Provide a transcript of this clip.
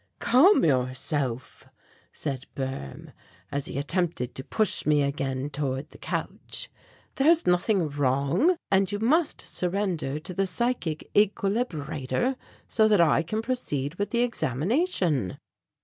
"Calm yourself," said Boehm, as he attempted to push me again toward the couch. "There is nothing wrong, and you must surrender to the psychic equilibrator so that I can proceed with the examination."